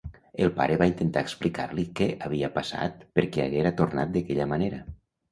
El pare va intentar explicar-li què havia passat perquè haguera tornat d'aquella manera.